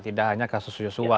tidak hanya kasus yosua